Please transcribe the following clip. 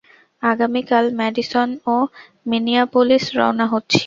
আগামী কাল ম্যাডিসন এবং মিনিয়াপোলিস রওনা হচ্ছি।